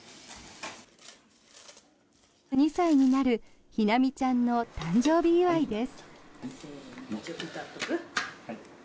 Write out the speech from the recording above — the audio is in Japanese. ２歳になる陽心ちゃんの誕生日祝いです。